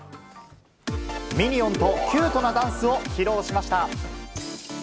ミニオンとキュートなダンスを披露しました。